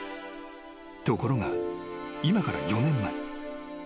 ［ところが今から４年前］